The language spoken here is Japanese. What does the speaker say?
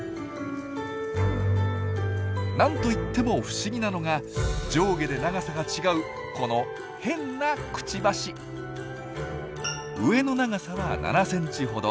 なんといっても不思議なのが上下で長さが違うこの変なクチバシ！上の長さは７ｃｍほど。